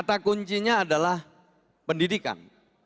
kata kuncinya adalah pendidikan